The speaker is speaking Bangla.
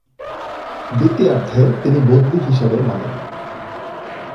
দ্বিতীয়ার্ধে তিনি বদলি হিসেবে নামেন।